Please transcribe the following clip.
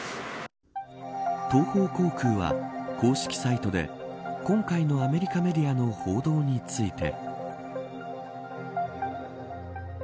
東方航空は公式サイトで今回のアメリカメディアの報道について。